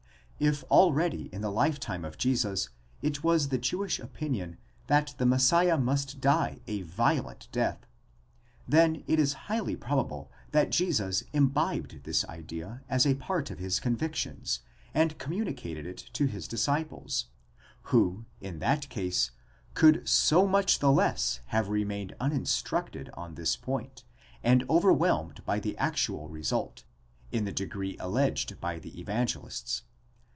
If already in the lifetime of Jesus it was the Jewish opinion that the Messiah must die a violent death, then it is highly probable that Jesus imbibed this idea as a part of his convictions, and communicated it to his disciples ; who, in that case, could so much the less have remained uninstructed on this point, and overwhelmed by the actual result, in the degree alleged by the Evangelists.